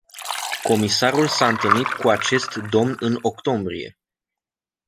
Comisarul s-a întâlnit cu acest domn în octombrie.